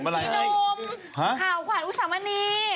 กัญชนมข่าวขวัญอุสามณี